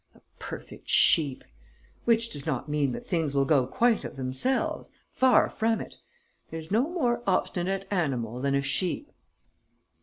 A perfect sheep! Which does not mean that things will go quite of themselves. Far from it! There's no more obstinate animal than a sheep...."